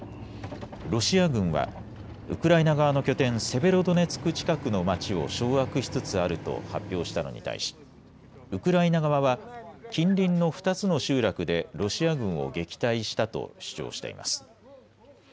ロシア軍はウクライナ側の拠点セベロドネツク近くの街を掌握しつつあると発表したのに対しウクライナ側は近隣の２つの集落でロシア軍を撃退したと主張しています。